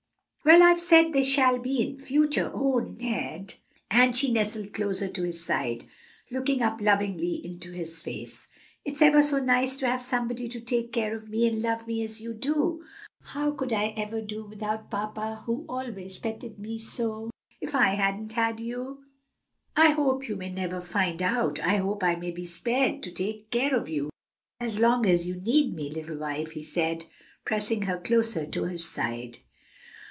"Well, I've said they shall be in future. O Ned," and she nestled closer to his side, looking up lovingly into his face, "it's ever so nice to have somebody to take care of me and love me as you do! How could I ever do without papa, who always petted me so, if I hadn't you?" "I hope you may never find out. I hope I may be spared to take care of you, as long as you need me, little wife," he said, pressing her closer to his side.